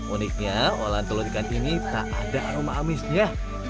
uniknya olahan telur ikan ini tak ada aroma amisnya